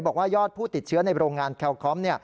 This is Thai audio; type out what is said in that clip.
บอกว่ายอดผู้ติดเชื้อในโรงงานแคลคอม